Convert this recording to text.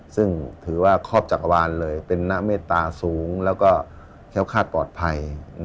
ซึ่งถือว่าครอบจักรวาลเลยเป็นหน้าเมตตาสูงแล้วก็แค้วคาดปลอดภัย